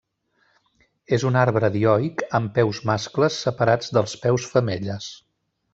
És un arbre dioic amb peus mascles separats dels peus femelles.